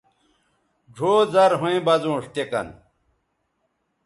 ڙھؤ زرھویں بزونݜ تے کن